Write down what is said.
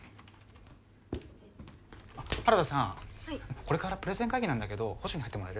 これからプレゼン会議なんだけど補助に入ってもらえる？